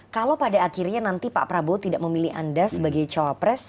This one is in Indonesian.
kalau pada akhirnya nanti pak prabowo tidak memilih anda sebagai cawapres